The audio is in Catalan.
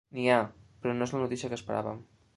N'hi ha. Però no és la notícia que esperàvem.